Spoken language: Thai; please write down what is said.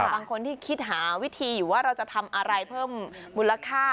บางคนที่คิดหาวิธีอยู่ว่าเราจะทำอะไรเพิ่มมูลค่า